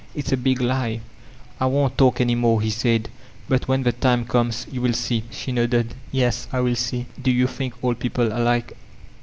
It's a big lie." "I won't talk any more," he said, '1)ut when the tnoe comes you will see." She nodded: "Yes, I will see." "Do you think all people alike?"